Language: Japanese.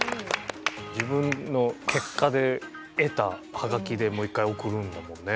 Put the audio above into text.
自分の結果で得たハガキでもう１回送るんだもんね。